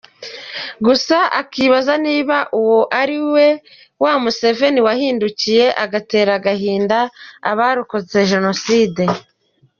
Gusa akibaza niba uwo ari we wa Museveni wahindukiye agatera agahinda abarokotse Jenoside.